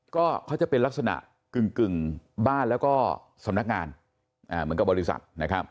ก็เขาจะเป็นลักษณะกึ่งบ้านแล้วก็สำนักงานเหมือนกับบริษัทนะครับ